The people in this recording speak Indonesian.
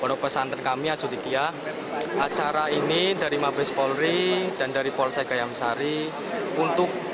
hai untuk pesantren kami asyik ya acara ini dari mabes polri dan dari polsek kayam sari untuk